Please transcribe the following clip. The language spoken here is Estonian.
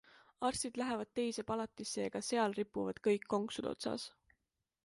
Arstid lähevad teise palatisse ja ka seal ripuvad kõik konksude otsas.